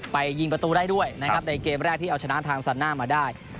ไปหยิงประตูได้ด้วยในเกมแรกที่เอาชนะทางสลัดหน้ามาได้